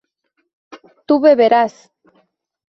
tú beberás